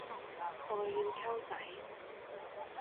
我要溝仔